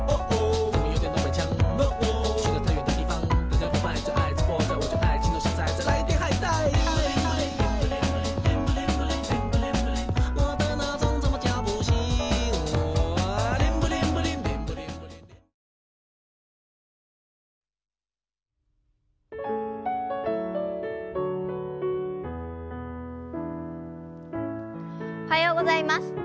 おはようございます。